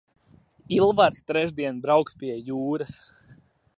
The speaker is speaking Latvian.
Ilvars trešdien brauks pie jūras.